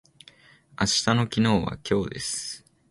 明日の昨日は今日です。